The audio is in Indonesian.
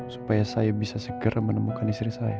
supaya saya bisa segera menemukan istri saya